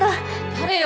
誰よ？